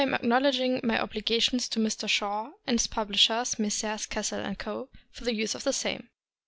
acknowledging my obligations to Mr. Shaw and his pub lishers, Messrs. Cassell & Co., for the use of same.